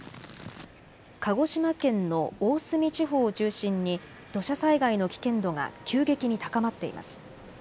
鹿児島県の大隅地方を中心に土砂災害の危険度が急激に高まっています。